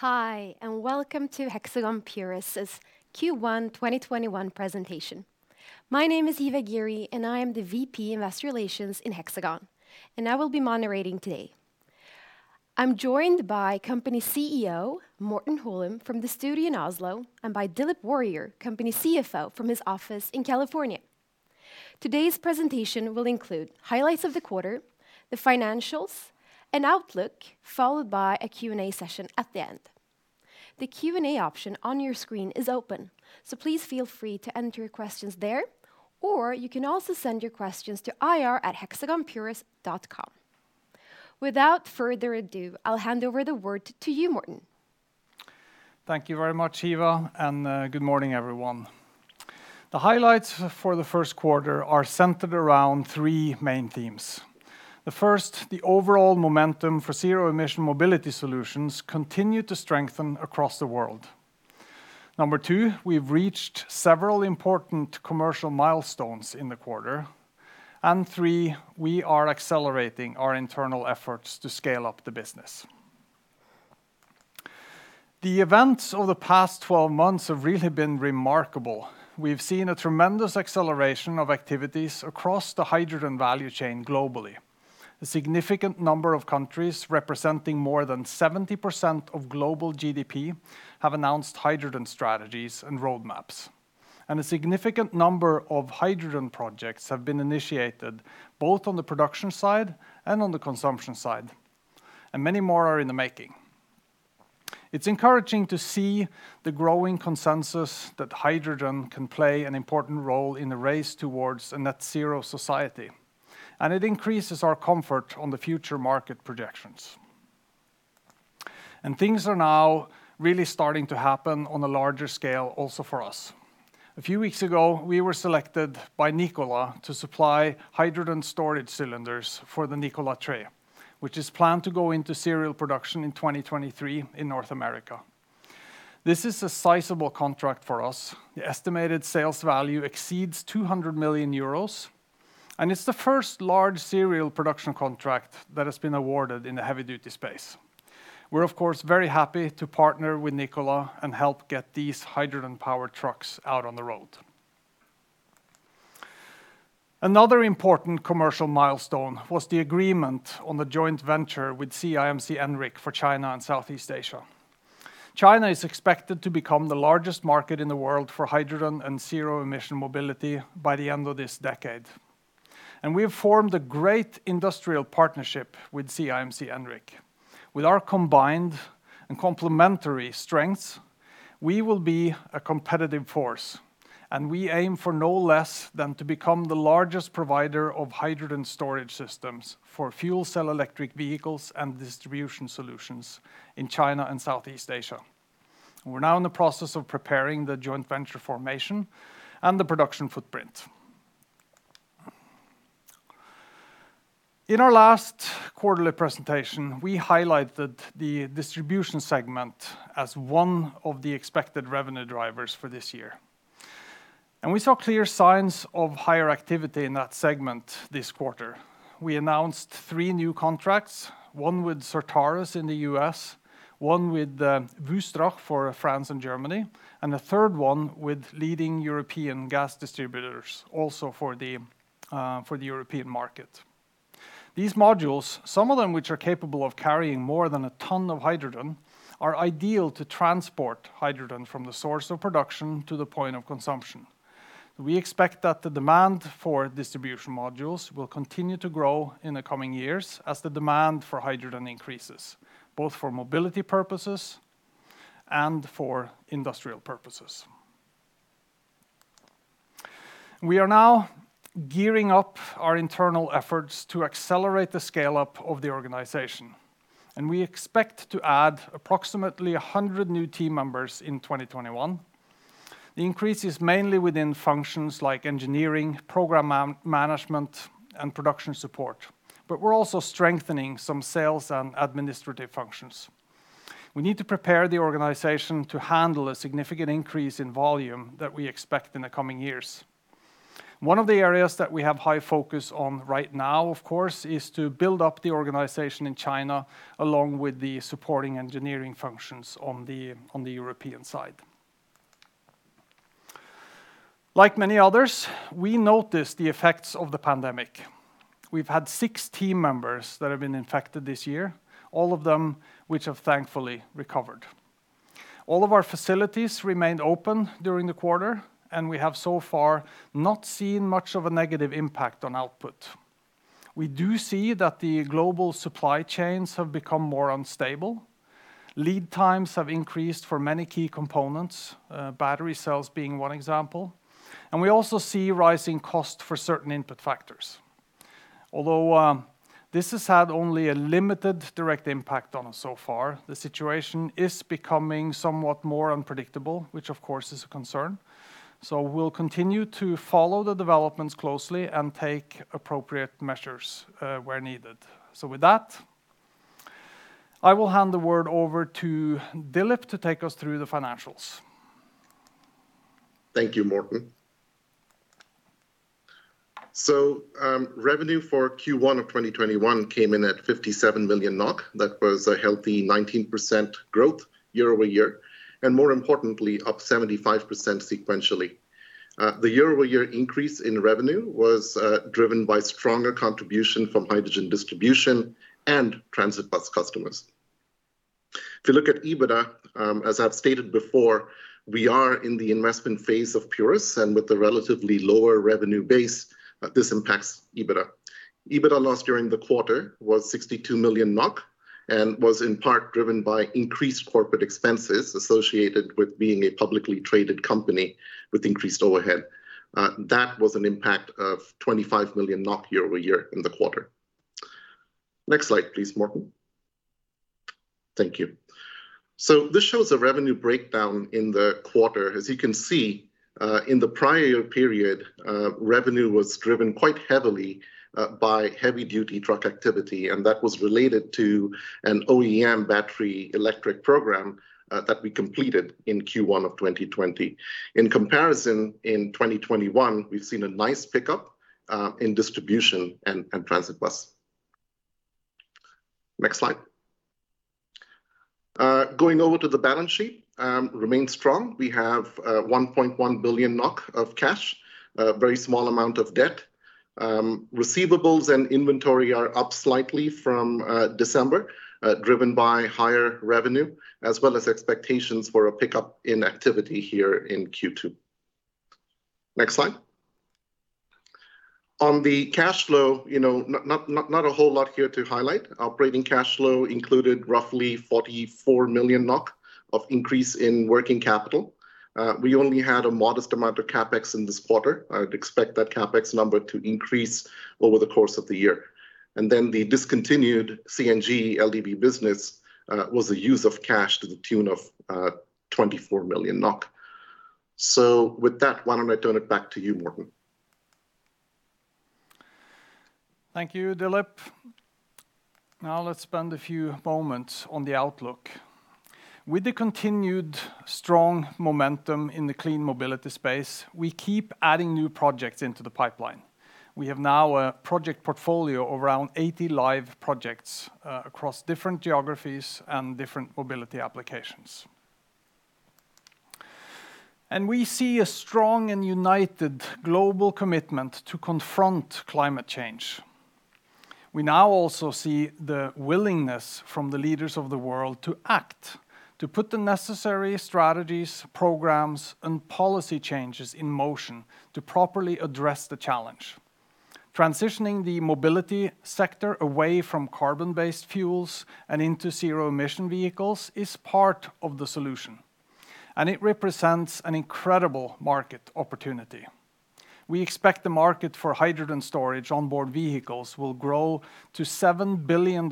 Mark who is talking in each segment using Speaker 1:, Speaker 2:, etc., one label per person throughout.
Speaker 1: Hi, and welcome to Hexagon Purus' Q1 2021 presentation. My name is Hiva Ghiri and I am the VP Investor Relations in Hexagon, and I will be moderating today. I'm joined by company CEO, Morten Holum from the studio in Oslo, and by Dilip Warrier, company CFO from his office in California. Today's presentation will include highlights of the quarter, the financials, and outlook, followed by a Q&A session at the end. The Q&A option on your screen is open, so please feel free to enter your questions there, or you can also send your questions to ir@hexagonpurus.com. Without further ado, I'll hand over the word to you, Morten.
Speaker 2: Thank you very much, Hiva, and good morning, everyone. The highlights for the first quarter are centered around three main themes. The first, the overall momentum for zero-emission mobility solutions continued to strengthen across the world. Number two, we've reached several important commercial milestones in the quarter. Three, we are accelerating our internal efforts to scale up the business. The events over the past 12 months have really been remarkable. We've seen a tremendous acceleration of activities across the hydrogen value chain globally. A significant number of countries representing more than 70% of global GDP have announced hydrogen strategies and roadmaps. A significant number of hydrogen projects have been initiated both on the production side and on the consumption side, and many more are in the making. It's encouraging to see the growing consensus that hydrogen can play an important role in the race towards a net-zero society, and it increases our comfort on the future market projections. Things are now really starting to happen on a larger scale also for us. A few weeks ago, we were selected by Nikola to supply hydrogen storage cylinders for the Nikola Tre, which is planned to go into serial production in 2023 in North America. This is a sizable contract for us. The estimated sales value exceeds 200 million euros, and it's the first large serial production contract that has been awarded in the heavy-duty space. We're of course, very happy to partner with Nikola and help get these hydrogen-powered trucks out on the road. Another important commercial milestone was the agreement on the joint venture with CIMC Enric for China and Southeast Asia. China is expected to become the largest market in the world for hydrogen and zero-emission mobility by the end of this decade. We have formed a great industrial partnership with CIMC Enric. With our combined and complementary strengths, we will be a competitive force, and we aim for no less than to become the largest provider of hydrogen storage systems for fuel cell electric vehicles and distribution solutions in China and Southeast Asia. We're now in the process of preparing the joint venture formation and the production footprint. In our last quarterly presentation, we highlighted the distribution segment as one of the expected revenue drivers for this year. We saw clear signs of higher activity in that segment this quarter. We announced three new contracts, one with Certarus in the U.S., one with Wystrach for France and Germany, and a third one with leading European gas distributors also for the European market. These modules, some of them which are capable of carrying more than a ton of hydrogen, are ideal to transport hydrogen from the source of production to the point of consumption. We expect that the demand for distribution modules will continue to grow in the coming years as the demand for hydrogen increases, both for mobility purposes and for industrial purposes. We are now gearing up our internal efforts to accelerate the scale-up of the organization, and we expect to add approximately 100 new team members in 2021. The increase is mainly within functions like engineering, program management, and production support, but we're also strengthening some sales and administrative functions. We need to prepare the organization to handle a significant increase in volume that we expect in the coming years. One of the areas that we have high focus on right now, of course, is to build up the organization in China, along with the supporting engineering functions on the European side. Like many others, we notice the effects of the pandemic. We've had six team members that have been infected this year, all of them which have thankfully recovered. All of our facilities remained open during the quarter, and we have so far not seen much of a negative impact on output. We do see that the global supply chains have become more unstable. Lead times have increased for many key components, battery cells being one example, and we also see rising cost for certain input factors. Although this has had only a limited direct impact on us so far, the situation is becoming somewhat more unpredictable, which of course is a concern. We'll continue to follow the developments closely and take appropriate measures where needed. With that, I will hand the word over to Dilip to take us through the financials.
Speaker 3: Thank you, Morten. Revenue for Q1 2021 came in at 57 million NOK. That was a healthy 19% growth year-over-year. More importantly, up 75% sequentially. The year-over-year increase in revenue was driven by stronger contribution from hydrogen distribution and transit bus customers. If you look at EBITDA, as I've stated before, we are in the investment phase of Purus. With a relatively lower revenue base, this impacts EBITDA. EBITDA loss during the quarter was 62 million NOK and was in part driven by increased corporate expenses associated with being a publicly traded company with increased overhead. That was an impact of 25 million NOK year-over-year in the quarter. Next slide, please, Morten. Thank you. This shows a revenue breakdown in the quarter. As you can see, in the prior period, revenue was driven quite heavily by heavy-duty truck activity, and that was related to an OEM battery electric program that we completed in Q1 2020. In comparison, in 2021, we've seen a nice pickup in distribution and transit bus. Next slide. Going over to the balance sheet, remains strong. We have 1.1 billion NOK of cash, a very small amount of debt. Receivables and inventory are up slightly from December, driven by higher revenue as well as expectations for a pickup in activity here in Q2. Next slide. On the cash flow, not a whole lot here to highlight. Operating cash flow included roughly 44 million NOK of increase in working capital. We only had a modest amount of CapEx in this quarter. I'd expect that CapEx number to increase over the course of the year. The discontinued CNG LDV business was a use of cash to the tune of 24 million NOK. With that, why don't I turn it back to you, Morten?
Speaker 2: Thank you, Dilip. Now let's spend a few moments on the outlook. With the continued strong momentum in the clean mobility space, we keep adding new projects into the pipeline. We have now a project portfolio of around 80 live projects across different geographies and different mobility applications. We see a strong and united global commitment to confront climate change. We now also see the willingness from the leaders of the world to act, to put the necessary strategies, programs, and policy changes in motion to properly address the challenge. Transitioning the mobility sector away from carbon-based fuels and into zero-emission vehicles is part of the solution, and it represents an incredible market opportunity. We expect the market for hydrogen storage onboard vehicles will grow to $7 billion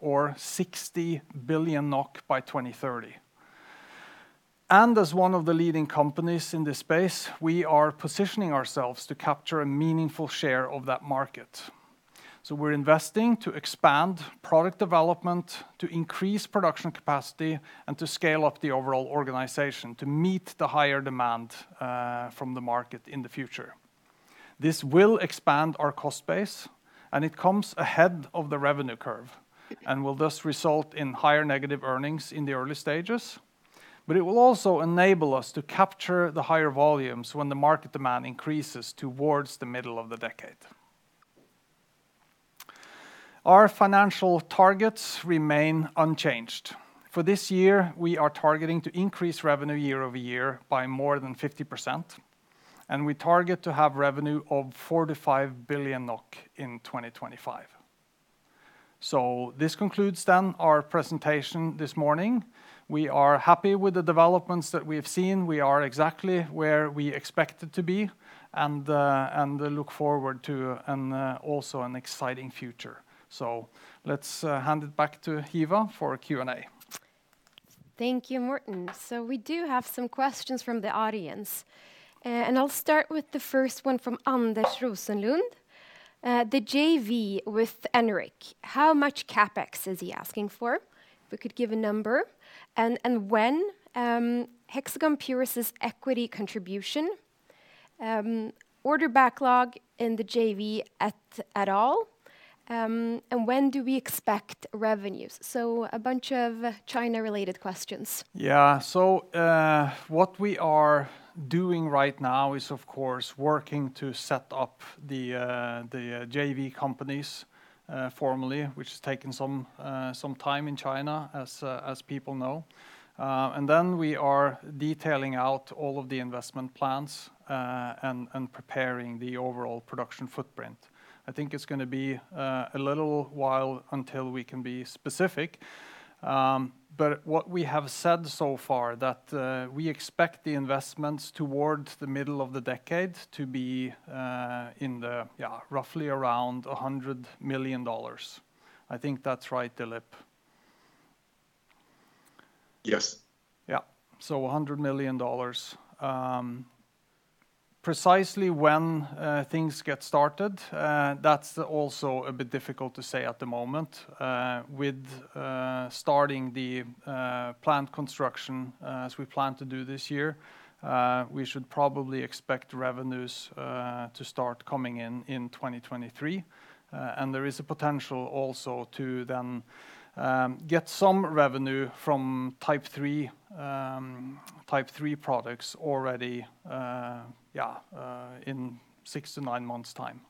Speaker 2: or 60 billion NOK by 2030. As one of the leading companies in this space, we are positioning ourselves to capture a meaningful share of that market. We're investing to expand product development, to increase production capacity, and to scale up the overall organization to meet the higher demand from the market in the future. This will expand our cost base, and it comes ahead of the revenue curve and will thus result in higher negative earnings in the early stages. It will also enable us to capture the higher volumes when the market demand increases towards the middle of the decade. Our financial targets remain unchanged. For this year, we are targeting to increase revenue year-over-year by more than 50%, and we target to have revenue of 4 to 5 billion in 2025. This concludes our presentation this morning. We are happy with the developments that we have seen. We are exactly where we expected to be and look forward to also an exciting future. Let's hand it back to Hiva for Q&A.
Speaker 1: Thank you, Morten. We do have some questions from the audience. I'll start with the first one from Anders Rosenlund. The JV with ENRIC, how much CapEx is he asking for? If we could give a number, and when Hexagon Purus' equity contribution, order backlog in the JV at all, and when do we expect revenues? A bunch of China-related questions.
Speaker 2: What we are doing right now is, of course, working to set up the JV companies formally, which has taken some time in China, as people know. We are detailing out all of the investment plans and preparing the overall production footprint. I think it's going to be a little while until we can be specific. What we have said so far, that we expect the investments towards the middle of the decade to be in the roughly around $100 million. I think that's right, Dilip.
Speaker 3: Yes.
Speaker 2: Yeah. $100 million. Precisely when things get started, that's also a bit difficult to say at the moment. With starting the plant construction as we plan to do this year. We should probably expect revenues to start coming in 2023. There is a potential also to then get some revenue from Type 3 products already in six to nine months time.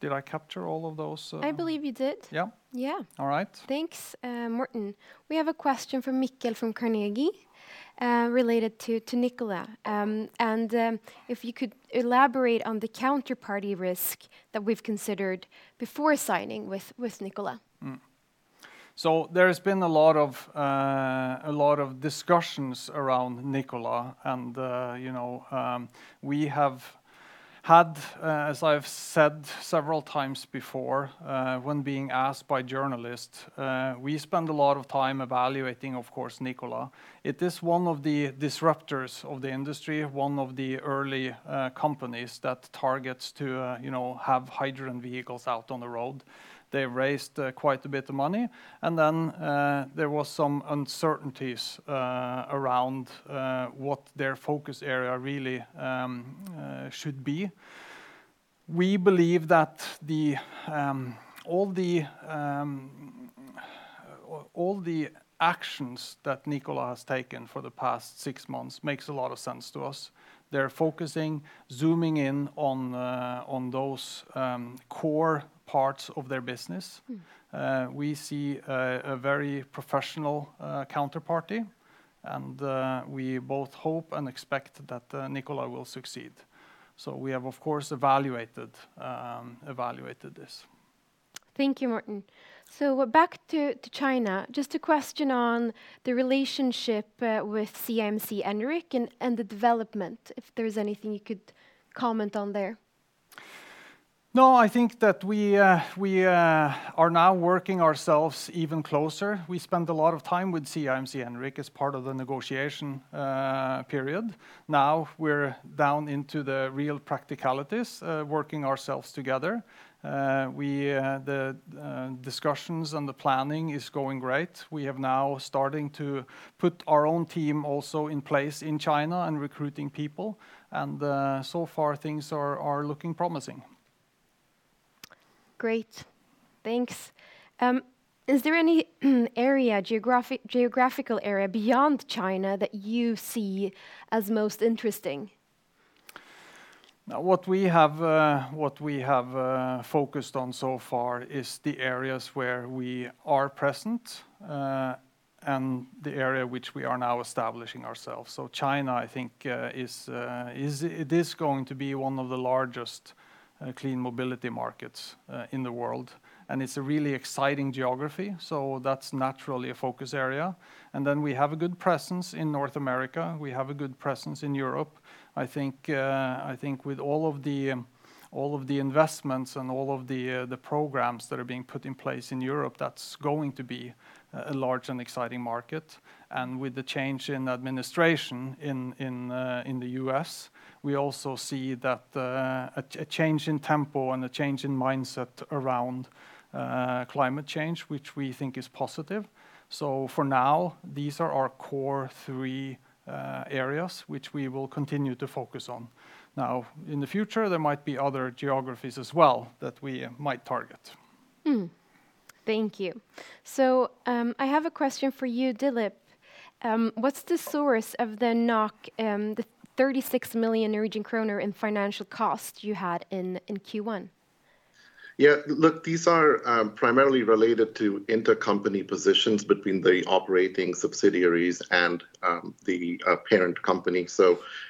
Speaker 2: Did I capture all of those?
Speaker 1: I believe you did.
Speaker 2: All right.
Speaker 1: Thanks, Morten. We have a question from Mikkel from Carnegie, related to Nikola. If you could elaborate on the counterparty risk that we've considered before signing with Nikola?
Speaker 2: There has been a lot of discussions around Nikola. We have had, as I've said several times before when being asked by journalists, we spend a lot of time evaluating, of course, Nikola. It is one of the disruptors of the industry, one of the early companies that targets to have hydrogen vehicles out on the road. They raised quite a bit of money. There was some uncertainties around what their focus area really should be. We believe that all the actions that Nikola has taken for the past six months makes a lot of sense to us. They're focusing, zooming in on those core parts of their business. We see a very professional counterparty, and we both hope and expect that Nikola will succeed. We have, of course, evaluated this.
Speaker 1: Thank you, Morten. Back to China, just a question on the relationship with CIMC Enric and the development, if there's anything you could comment on there?
Speaker 2: I think that we are now working ourselves even closer. We spent a lot of time with CIMC Enric as part of the negotiation period. Now we're down into the real practicalities, working ourselves together. The discussions and the planning is going great. We have now starting to put our own team also in place in China and recruiting people, and so far things are looking promising.
Speaker 1: Great. Thanks. Is there any geographical area beyond China that you see as most interesting?
Speaker 2: Now what we have focused on so far is the areas where we are present, and the area which we are now establishing ourselves. China, I think, it is going to be one of the largest clean mobility markets in the world, and it's a really exciting geography, so that's naturally a focus area. We have a good presence in North America. We have a good presence in Europe. I think with all of the investments and all of the programs that are being put in place in Europe, that's going to be a large and exciting market. With the change in administration in the U.S., we also see a change in tempo and a change in mindset around climate change, which we think is positive. For now, these are our core three areas which we will continue to focus on. Now, in the future, there might be other geographies as well that we might target.
Speaker 1: Thank you. I have a question for you, Dilip. What's the source of the NOK, the 36 million Norwegian kroner in financial cost you had in Q1?
Speaker 3: Look, these are primarily related to intercompany positions between the operating subsidiaries and the parent company.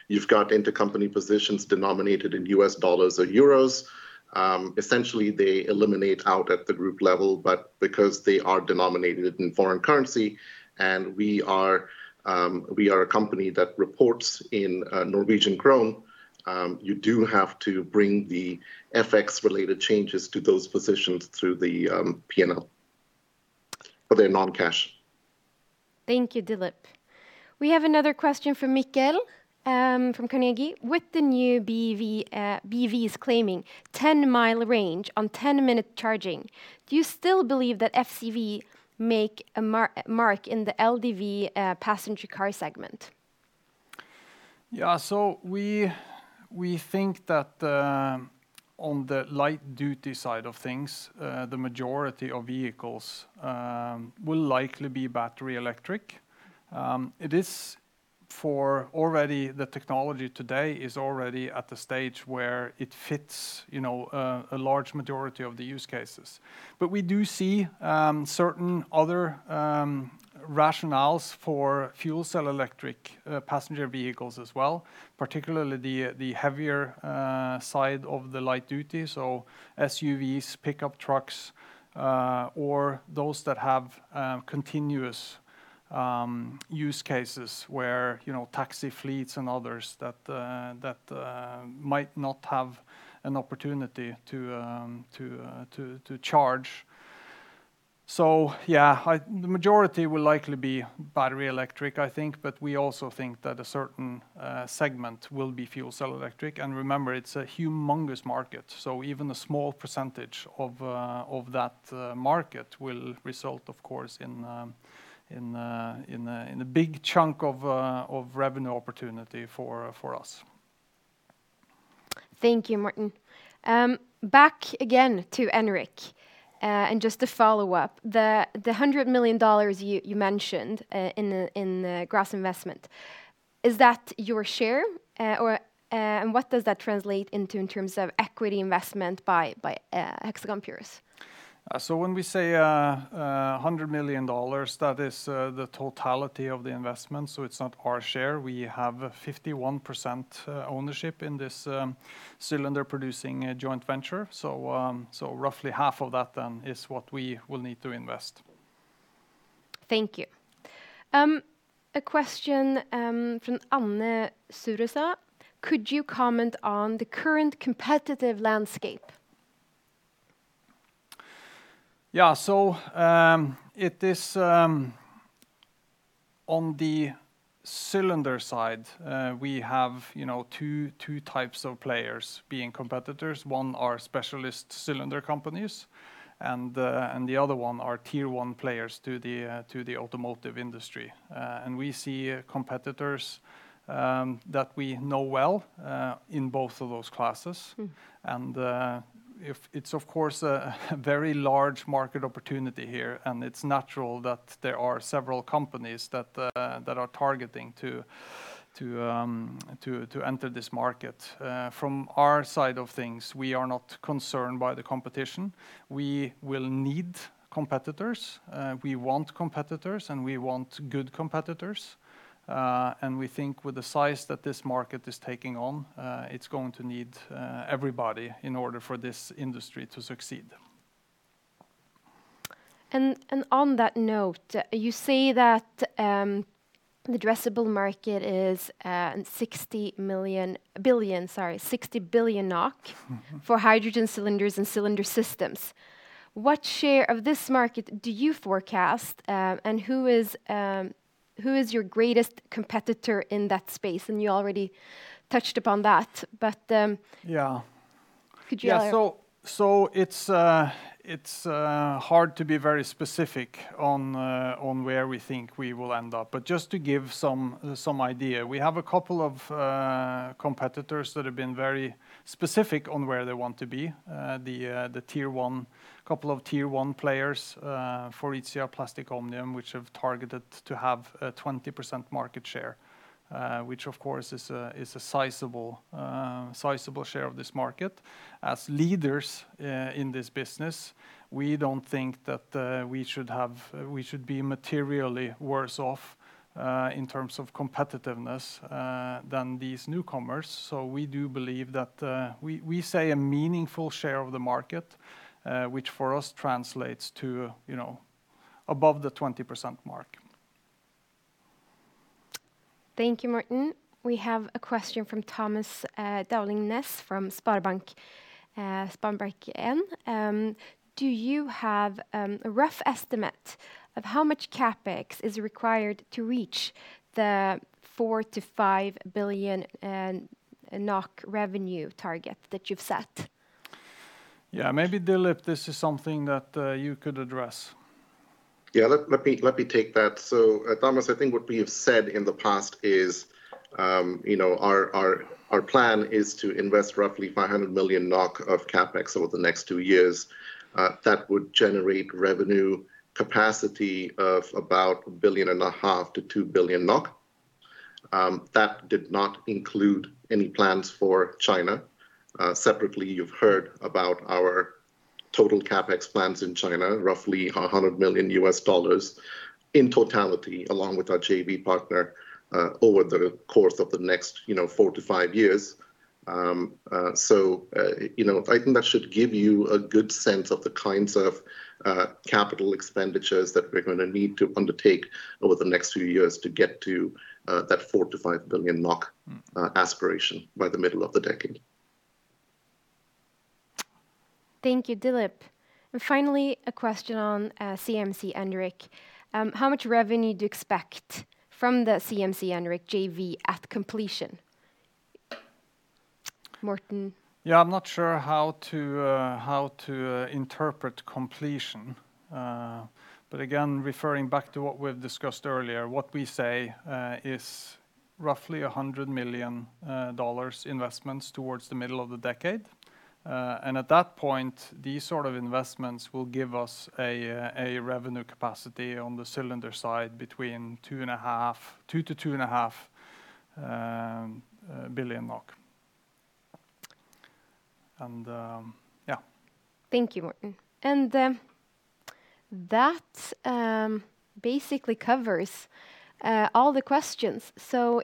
Speaker 3: You've got intercompany positions denominated in US dollars or EUR. Essentially, they eliminate out at the group level, but because they are denominated in foreign currency and we are a company that reports in NOK, you do have to bring the FX-related changes to those positions through the P&L. They're non-cash.
Speaker 1: Thank you, Dilip. We have another question from Mikkel from Carnegie. With the new BEVs claiming 10-mile range on 10-minute charging, do you still believe that FCV make a mark in the LDV passenger car segment?
Speaker 2: We think that on the light-duty side of things, the majority of vehicles will likely be battery electric. The technology today is already at the stage where it fits a large majority of the use cases. We do see certain other rationales for fuel cell electric passenger vehicles as well, particularly the heavier side of the light duty, so SUVs, pickup trucks, or those that have continuous use cases where taxi fleets and others that might not have an opportunity to charge. Yeah, the majority will likely be battery electric, I think, but we also think that a certain segment will be fuel cell electric. Remember, it's a humongous market, so even a small % of that market will result, of course, in a big chunk of revenue opportunity for us.
Speaker 1: Thank you, Morten. Back again to ENRIC, and just to follow up, the $100 million you mentioned in the gross investment, is that your share? What does that translate into in terms of equity investment by Hexagon Purus?
Speaker 2: When we say $100 million, that is the totality of the investment. It's not our share. We have a 51% ownership in this cylinder-producing joint venture. Roughly half of that then is what we will need to invest.
Speaker 1: Thank you. A question from Anne Surasa, "Could you comment on the current competitive landscape?
Speaker 2: On the cylinder side, we have two types of players being competitors. One are specialist cylinder companies, and the other one are Tier 1 players to the automotive industry. We see competitors that we know well in both of those classes. It's of course, a very large market opportunity here, and it's natural that there are several companies that are targeting to enter this market. From our side of things, we are not concerned by the competition. We will need competitors. We want competitors, and we want good competitors. We think with the size that this market is taking on, it's going to need everybody in order for this industry to succeed.
Speaker 1: On that note, you say that the addressable market is 60 billion NOK for hydrogen cylinders and cylinder systems. What share of this market do you forecast, and who is your greatest competitor in that space? Could you elaborate?
Speaker 2: It's hard to be very specific on where we think we will end up. Just to give some idea, we have a couple of competitors that have been very specific on where they want to be. The couple of tier 1 players, Faurecia, Plastic Omnium, which have targeted to have a 20% market share, which of course is a sizable share of this market. As leaders in this business, we don't think that we should be materially worse off in terms of competitiveness than these newcomers. We do believe that we say a meaningful share of the market, which for us translates to above the 20% mark.
Speaker 1: Thank you, Morten. We have a question from Thomas Dowling Næss from SpareBank. Do you have a rough estimate of how much CapEx is required to reach the 4 billion-5 billion NOK revenue target that you've set?
Speaker 2: Maybe Dilip, this is something that you could address.
Speaker 3: Let me take that. Thomas Dowling Næss, I think what we have said in the past is our plan is to invest roughly 500 million NOK of CapEx over the next two years. That would generate revenue capacity of about a billion and a half to 2 billion NOK. That did not include any plans for China. Separately, you've heard about our total CapEx plans in China, roughly $100 million in totality, along with our JV partner, over the course of the next four to five years. I think that should give you a good sense of the kinds of capital expenditures that we're going to need to undertake over the next few years to get to that 4 billion-5 billion NOK aspiration by the middle of the decade.
Speaker 1: Thank you, Dilip. Finally, a question on CIMC Enric. "How much revenue do you expect from the CIMC Enric JV at completion?" Morten?
Speaker 2: I am not sure how to interpret completion. Again, referring back to what we have discussed earlier, what we say is roughly $100 million investments towards the middle of the decade. At that point, these sort of investments will give us a revenue capacity on the cylinder side between 2 billion-2.5 billion. Yeah.
Speaker 1: Thank you, Morten. That basically covers all the questions.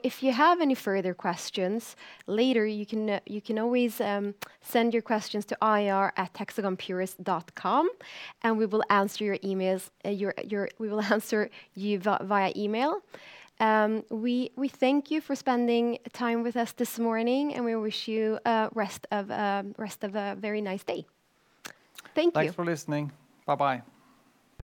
Speaker 1: If you have any further questions later, you can always send your questions to ir@hexagonpurus.com, and we will answer you via email. We thank you for spending time with us this morning, and we wish you a rest of a very nice day. Thank you.
Speaker 2: Thanks for listening. Bye-bye.